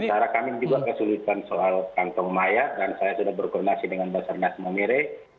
sementara kami juga kesulitan soal kantong mayat dan saya sudah berkoordinasi dengan basarnas momere